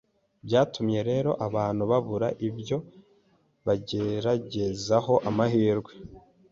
Byatumye rero abantu babura ibyo bageragerezaho amahirwe.